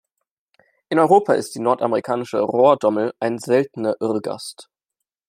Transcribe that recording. In Europa ist die Nordamerikanische Rohrdommel ein seltener Irrgast.